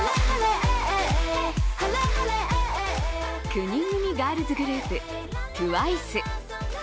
９人組ガールズグループ、ＴＷＩＣＥ。